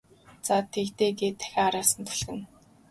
За тэг л дээ гээд дахин араас нь түлхэнэ.